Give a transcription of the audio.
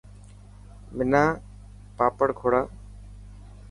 منا پاپڙ کوڙا.